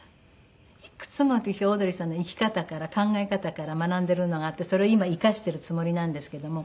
いくつも私オードリーさんの生き方から考え方から学んでるものがあってそれを今生かしてるつもりなんですけども。